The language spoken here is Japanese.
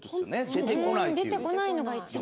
出てこないのが一番。